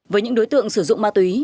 với những đối tượng sử dụng ma túy